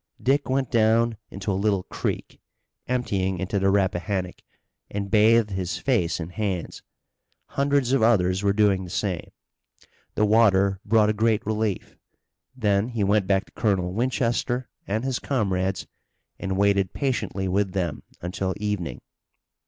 Dick went down into a little creek, emptying into the Rappahannock, and bathed his face and hands. Hundreds of others were doing the same. The water brought a great relief. Then he went back to Colonel Winchester and his comrades, and waited patiently with them until evening.